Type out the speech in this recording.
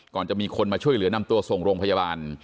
ก่อนจะมีคนมาช่วยเหลือนำตัวส่งโรงพยาบาล